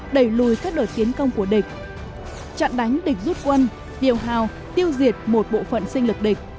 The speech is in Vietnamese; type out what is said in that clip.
đẩy lùi các đợt tiến công của địch trận đánh địch rút quân tiệu hào tiêu diệt một bộ phận sinh lực địch